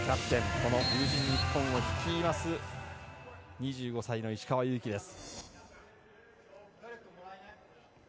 この龍神ニッポンを率います２５歳の石川祐希です。